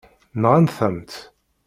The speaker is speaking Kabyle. Nɣant-am-tt.